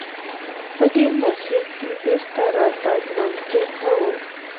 په دې مسیر کې بېرته راتګ ممکن نه و.